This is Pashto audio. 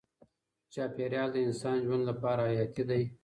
چاپیریال د انسان ژوند لپاره حیاتي دی.